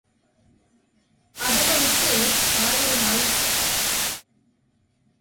அதமனுக்கு ஆயிரம் ஆயுசு.